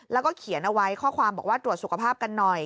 แล้วก็เขียนเอาไว้ข้อความบอกว่าตรวจสุขภาพกันหน่อย